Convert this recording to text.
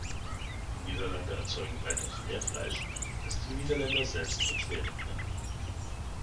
Die Niederlande erzeugen weitaus mehr Fleisch als die Niederländer selbst verzehren können.